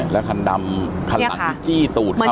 แล้วคันดำคันดำจี้ตูดเขา